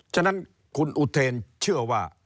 ฉะนั้นคุณอุเทนเชื่อว่า